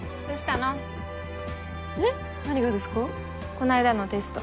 こないだのテスト。